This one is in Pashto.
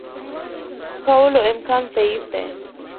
کولو امکان ضعیف دی.